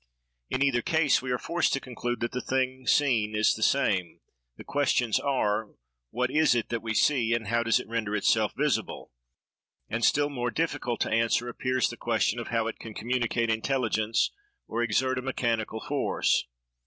In either case, we are forced to conclude that the thing seen is the same; the questions are, what is it that we see, and how does it render itself visible? and, still more difficult to answer, appears the question, of how it can communicate intelligence, or exert a mechanical force.